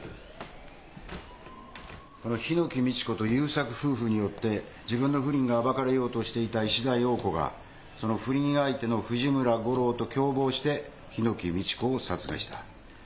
この檜美智子と佑作夫婦によって自分の不倫が暴かれようとしていた石田洋子がその不倫相手の藤村吾郎と共謀して檜美智子を殺害した。